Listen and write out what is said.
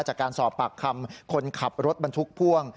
จากการสอบปากคำคนขับรถบรรทุกพ่วง